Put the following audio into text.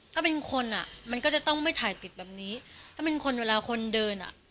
ถ้าเป็นคนอ่ะมันก็จะต้องไม่ถ่ายติดแบบนี้ถ้าเป็นคนเวลาคนเดินอ่ะ